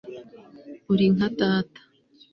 uri nka data